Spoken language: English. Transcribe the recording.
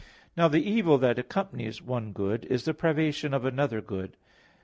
Now the evil that accompanies one good, is the privation of another good.